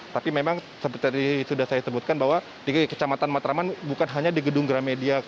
tapi memang seperti sudah saya sebutkan bahwa di kecamatan matraman bukan hanya di gedung gramedia